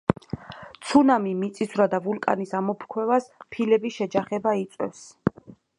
ცუნამი, მიწისძვრა და ვულკანის ამოფრქვევას ფილები შეჯახება იწვევს